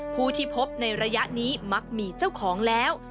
ผู้ที่พบในระยะนี้มักมีเจ้าของแล้ว